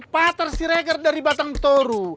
patar sireger dari batang toru